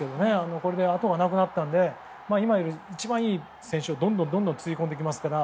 これであとがなくなったので今、一番いい選手をどんどんつぎ込んできますから。